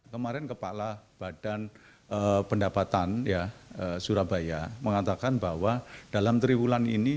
kemarin kepala badan pendapatan surabaya mengatakan bahwa dalam triwulan ini